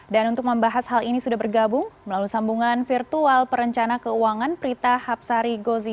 dan untuk membahas hal ini sudah bergabung melalui sambungan virtual perencanaan keuangan prita hapsari gozi